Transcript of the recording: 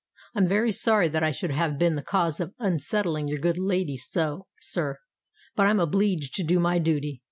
I'm very sorry that I should have been the cause of unsettling your good lady so, sir: but I'm obleeged to do my dooty.